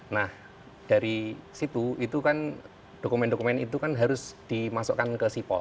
nah dari situ dokumen dokumen itu kan harus dimasukkan ke sipo